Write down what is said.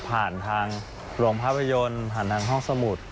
ผ่านทางโรงภาพยนตร์ผ่านทางห้องสมุทร